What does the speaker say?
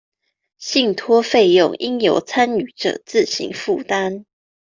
信託費用應由參與者自行負擔